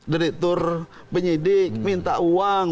direktur penyidik minta uang